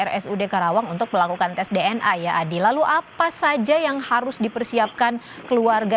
rsud karawang untuk melakukan tes dna ya adi lalu apa saja yang harus dipersiapkan keluarga